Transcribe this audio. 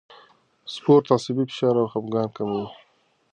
سپورت عصبي فشار او خپګان کموي.